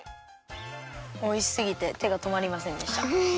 おいしすぎててがとまりませんでした。